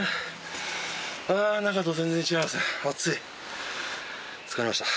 ああ、中と全然違いますね。